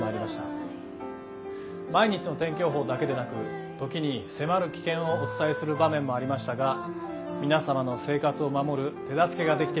毎日の天気予報だけでなく時に迫る危険をお伝えする場面もありましたが皆様の生活を守る手助けができていたら幸いです。